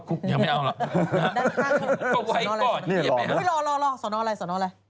ก็ไว้ก่อน